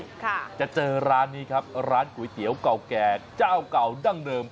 ค่ะจะเจอร้านนี้ครับร้านก๋วยเตี๋ยวเก่าแก่เจ้าเก่าดั้งเดิม